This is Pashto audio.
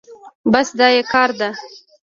بس دا يې کار ده.